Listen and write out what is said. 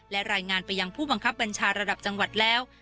และรายงานไปยังผู้บังคับบัญชาระดับจังหวัดแล้ว